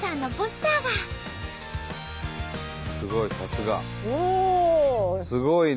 すごいね。